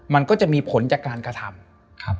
มันก็จะมีผลจากการกระทำ